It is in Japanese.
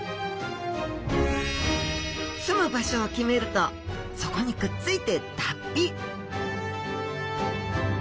住む場所を決めるとそこにくっついて脱皮！